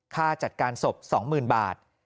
ค่าจัดการศพ๒๐๐๐บาท